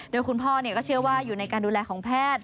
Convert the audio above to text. โดยคุณพ่อก็เชื่อว่าอยู่ในการดูแลของแพทย์